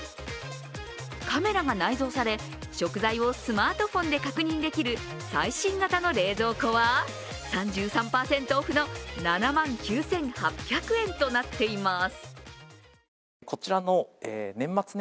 カメラが内蔵され、食材をスマートフォンで確認できる最新型の冷蔵庫は３３％オフの７万９８００円となっています。